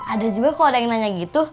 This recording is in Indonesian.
ada juga kalau ada yang nanya gitu